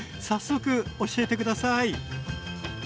早速教えて下さい！